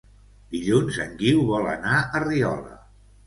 Dilluns en Guiu vol anar a Riola.